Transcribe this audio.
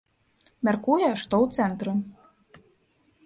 Мяркуе, што ў цэнтры.